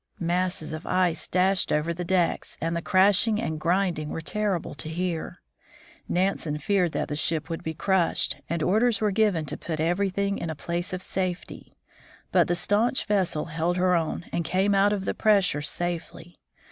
Masses of ice dashed over the decks, and the crashing and grinding were terrible to hear. Nansen and Johansen leaving the "Fram." Nansen feared that the ship would be crushed, and orders were given to put everything in a place of safety. But the stanch vessel held her own, and came out of the pressure safely.